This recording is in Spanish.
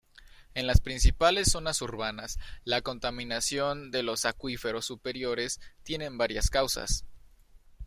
En las principales zonas urbanas la contaminación de los acuíferos superiores tiene varias causas.